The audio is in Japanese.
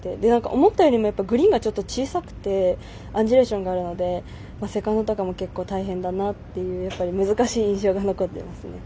思ったよりもグリーンがちょっと小さくてアンジュレーションがあるのでセカンドとかも結構大変だなっていう難しい印象が残ってますね。